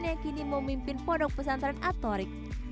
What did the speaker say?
yang kini memimpin pondok pesantren atorik